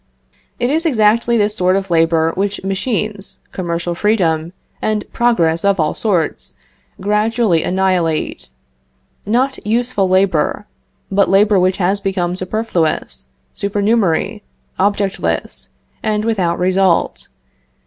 It is exactly this sort of labor which machines, commercial freedom, and progress of all sorts, gradually annihilate; not useful labor, but labor which has become superfluous, supernumerary, objectless, and without result.